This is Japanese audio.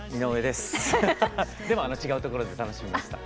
でも違うところで楽しみました。